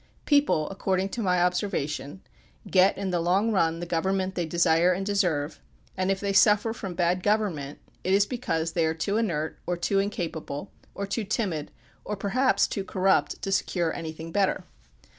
People, according to my observation, get in the long run the government they desire and deserve, and if they suffer from bad govern ment, it is because they are too inert, or too incapable, or too timid, or perhaps too corrupt to secure anjrthing better.